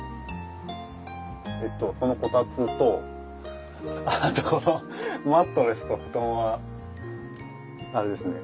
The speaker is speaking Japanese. えっとそのこたつとあとこのマットレスと布団はあれですね